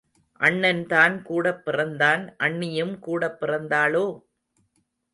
அண்ணன்தான் கூடப்பிறந்தான் அண்ணியும் கூடப் பிறந்தாளோ?